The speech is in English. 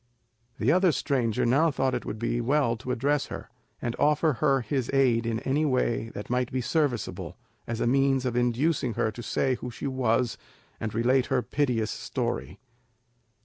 The other stranger now thought it would be well to address her, and offer her his aid in any way that might be serviceable, as a means of inducing her to say who she was, and relate her piteous story.